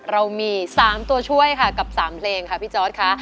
เรามี๓ตัวช่วยค่ะกับ๓เพลงค่ะพี่จอร์ดค่ะ